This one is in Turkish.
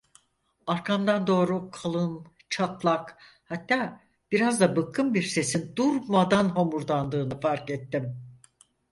Arkamdan doğru kalın, çatlak, hatta biraz da bıkkın bir sesin durmadan homurdandığını fark ettim.